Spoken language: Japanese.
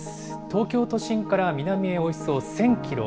東京都心から南へおよそ１０００キロ。